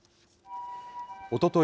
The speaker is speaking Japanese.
おととい